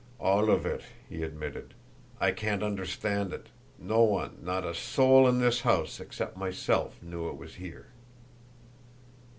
"All of it," he admitted. "I can't understand it. No one, not a soul in this house, except myself, knew it was here."